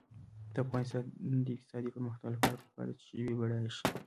د افغانستان د اقتصادي پرمختګ لپاره پکار ده چې ژبې بډایه شي.